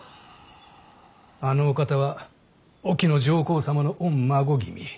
あのお方は隠岐の上皇様の御孫君。